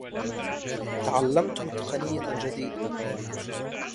تعلمت تقنية جديدة.